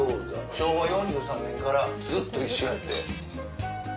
昭和４３年からずっと一緒やって。